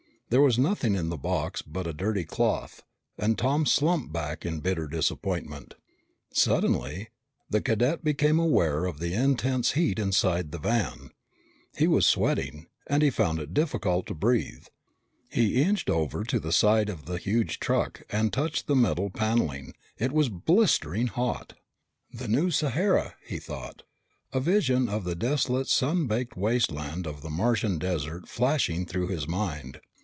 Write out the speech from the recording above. There was nothing in the box but a dirty cloth, and Tom slumped back in bitter disappointment. Suddenly the cadet became aware of the intense heat inside the van. He was sweating, and he found it difficult to breath. He inched over to the side of the huge truck and touched the metal paneling. It was blisteringly hot. "The New Sahara," he thought, a vision of the desolate sun baked wasteland of the Martian desert flashing through his mind.